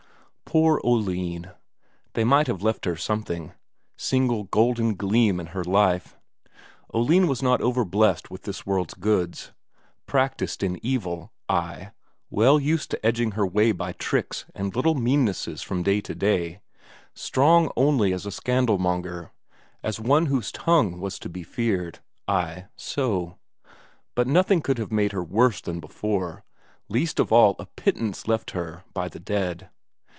Poor Oline; they might have left her something single golden gleam in her life! Oline was not over blessed with this world's goods. Practised in evil ay, well used to edging her way by tricks and little meannesses from day to day; strong only as a scandalmonger, as one whose tongue was to be feared; ay, so. But nothing could have made her worse than before; least of all a pittance left her by the dead.